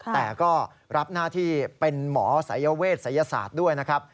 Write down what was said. แต่ก็รับหน้าที่เป็นหมอสายเวชศัยศาสตร์ด้วยนะครับ